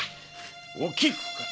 おきくか！